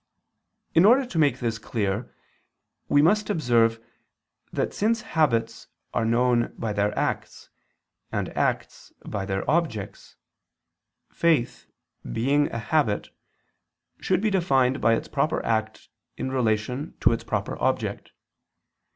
In order to make this clear, we must observe that since habits are known by their acts, and acts by their objects, faith, being a habit, should be defined by its proper act in relation to its proper object.